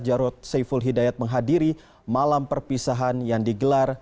jarod saiful hidayat menghadiri malam perpisahan yang digelar